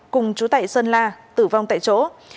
cùng chú tại sơn la tử vong tại chỗ